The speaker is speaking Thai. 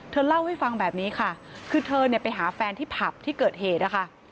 เล่าให้ฟังแบบนี้ค่ะคือเธอเนี่ยไปหาแฟนที่ผับที่เกิดเหตุนะคะ